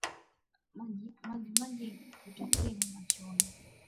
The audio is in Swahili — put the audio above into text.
Majimaji kutokea machoni